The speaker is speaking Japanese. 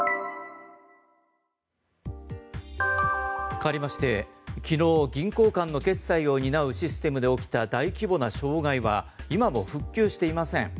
かわりまして昨日、銀行間の決済を担うシステムで起きた大規模な障害は今も復旧していません。